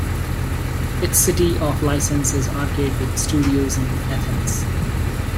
Its city of license is Arcade with studios in Athens.